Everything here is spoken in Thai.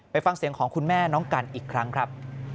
ฟังเสียงของคุณแม่น้องกันอีกครั้งครับ